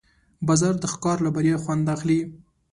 باز د ښکار له بریا خوند اخلي